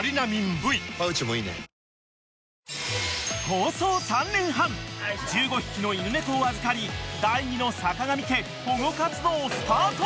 ［構想３年半１５匹の犬猫を預かり第２の坂上家保護活動スタート］